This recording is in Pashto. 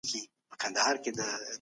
کمپيوټر پېغامونه جوابوي.